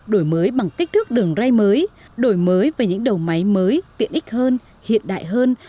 đổi mới bằng kích thước đường ray mới đổi mới với những đầu máy mới tiện ích hơn hiện đại hơn